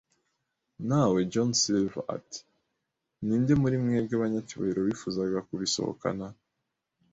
nawe, John Silver. ” Ati: "Ninde muri mwebwe banyacyubahiro wifuzaga kubisohokana?"